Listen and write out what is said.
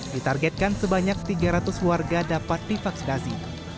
ditargetkan sebanyak tiga ratus warga dapat divaksinasi